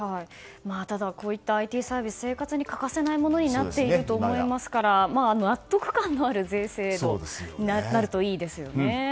ただ、こういったＩＴサービス生活に欠かせないものになっていると思いますから、納得感のある税制になるといいですよね。